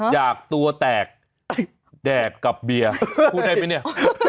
อยากตัวแตกแดกกับเบียร์พูดได้ไหมเนี่ย